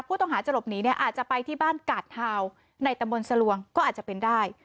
ผู้ต้องหาจะหลบหนีเนี่ยอาจจะไปที่บ้านกาดทาวน์ในตำบลสลวงก็อาจจะเป็นได้